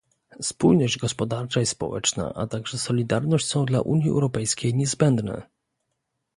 Spójność gospodarcza i społeczna, a także solidarność są dla Unii Europejskiej niezbędne